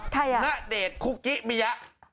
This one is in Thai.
ใครอ่ะณเดชน์คุกกี้มียะ